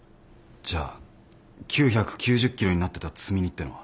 じゃあ９９０ｋｇになってた積み荷ってのは。